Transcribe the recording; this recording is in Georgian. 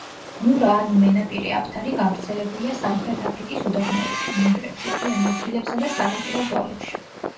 მურა ანუ მენაპირე აფთარი გავრცელებულია სამხრეთ აფრიკის უდაბნოებში, მინდვრებში, ტყიან ადგილებსა და სანაპირო ზოლებში.